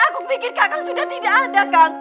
aku pikir kakak sudah tidak ada kang